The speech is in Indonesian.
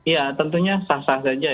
ya tentunya sah sah saja ya